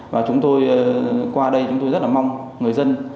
và chúng tôi qua đây chúng tôi rất là mong người dân